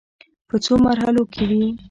په څو مرحلو کې وې.